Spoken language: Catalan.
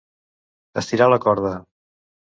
Estirar la corda.